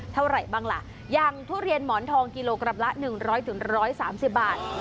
เท่าไหร่บ้างล่ะอย่างทุเรียนหมอนทองกิโลกรัมละ๑๐๐๑๓๐บาท